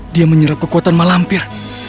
dia menyerap kekuatan malampir